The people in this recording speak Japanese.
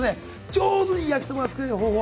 上手に焼きそばを作れる方法